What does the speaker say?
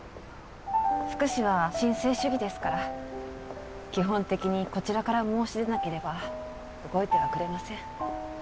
福祉は申請主義ですから基本的にこちらから申し出なければ動いてはくれません。